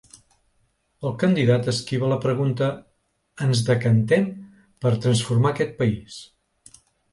El candidat esquiva la pregunta: ‘Ens decantem per a transformar aquest país’.